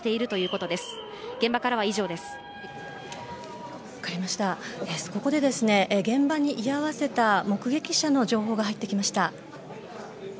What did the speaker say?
ここで、現場に居合わせた目撃者の情報が入ってきました。